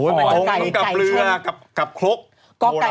โอ้ยมันต้องกับลื้อกับคลกโอรัน